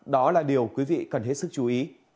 đó là điều quý vị cần hết sức chú ý